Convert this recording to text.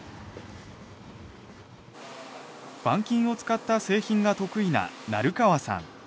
板金を使った製品が得意な生川さん。